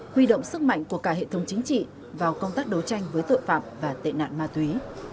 huy động sức mạnh của cả hệ thống chính trị vào công tác đấu tranh với tội phạm và tệ nạn ma túy